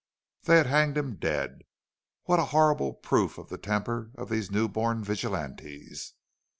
They had hanged him dead. What a horrible proof of the temper of these newborn vigilantes!